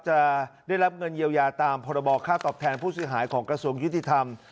จะได้รับเงินเยียวยาตามพรบค่าตอบแทนผู้เสียหายของกระทรวงยุติธรรม